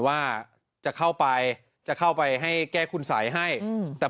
พระอาจารย์ออสบอกว่าอาการของคุณแป๋วผู้เสียหายคนนี้อาจจะเกิดจากหลายสิ่งประกอบกัน